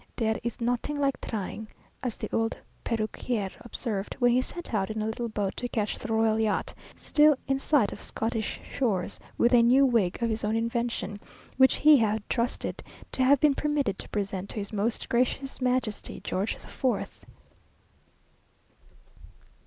"Dere is notink like trying!" (as the old perruquier observed, when he set out in a little boat to catch the royal yacht, still in sight of Scottish shores, with a new wig of his own invention, which he had trusted to have been permitted to present to his most gracious majesty George the Fourth!).